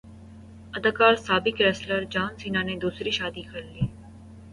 اداکار سابق wrestler John Cena نے دوسری شادی کرلی